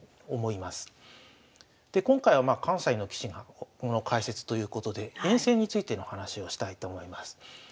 で今回はまあ関西の棋士の解説ということで遠征についての話をしたいと思います。